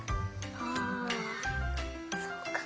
あそっか。